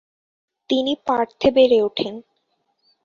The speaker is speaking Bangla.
তিনি পার্থে বেড়ে ওঠেন।